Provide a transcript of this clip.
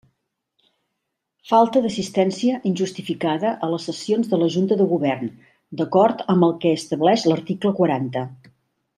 Falta d'assistència injustificada a les sessions de la Junta de Govern, d'acord amb el que establix l'article quaranta.